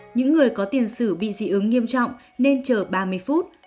những người có tiền sử bị dị ứng nghiêm trọng nên chờ ba mươi phút